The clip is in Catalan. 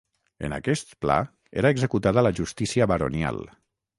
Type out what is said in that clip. En aquest pla era executada la justícia baronial.